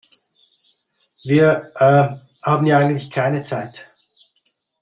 Wir, äh, haben ja eigentlich keine Zeit.